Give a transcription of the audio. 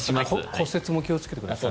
骨折も気をつけてください。